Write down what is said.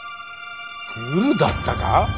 グルだったか！？